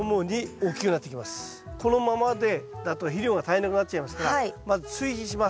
このままだと肥料が足りなくなっちゃいますからまず追肥します。